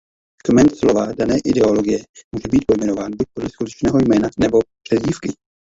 Kmen slova dané ideologie může být pojmenován buď podle skutečného jména nebo přezdívky.